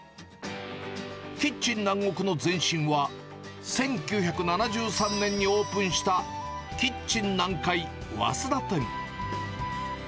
キッチン南国の前身は、１９７３年にオープンしたキッチン南海早稲田店。